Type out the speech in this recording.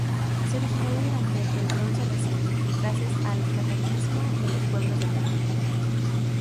Se originó durante el Bronce Reciente gracias al cataclismo de los Pueblos del Mar.